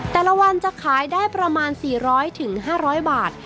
แต่ละวันจะขายได้ประมาณ๔๐๐๕๐๐บาท